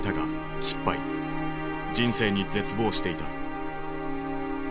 人生に絶望していた。